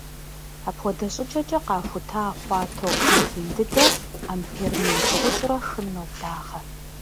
Апхуэдэ щӏыкӏэкӏэ къахута хъуа ток нэхъ ин дыдэр ампер мин тӏощӏрэ хым ноблагъэ.